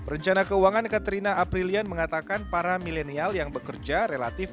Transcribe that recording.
rencana keuangan katrina aprilian mengatakan para milenial yang bekerja relatif